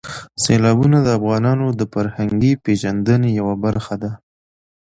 سیلابونه د افغانانو د فرهنګي پیژندنې یوه برخه ده.